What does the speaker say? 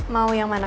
mau yang mana